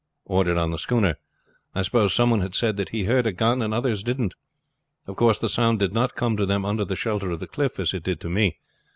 ordered on the schooner. I suppose some one had said that he heard a gun, and other's didn't. Of course the sound did not come to them under the shelter of the cliff as it did to me.